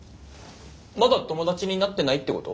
まだ友達になってないってこと？